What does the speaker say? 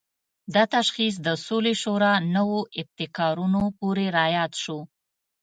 دا تشخیص د سولې شورا نوو ابتکارونو پورې راياد شو.